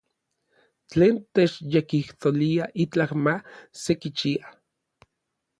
Tlen techyekijtolia itlaj ma sekichia.